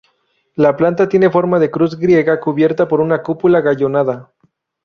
La planta tiene forma de cruz griega cubierta por una cúpula gallonada.